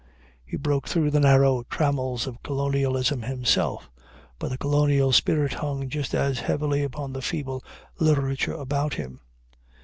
He broke through the narrow trammels of colonialism himself, but the colonial spirit hung just as heavily upon the feeble literature about him.